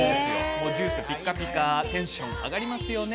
ジュースピッカピカでテンション上がっちゃいますよね。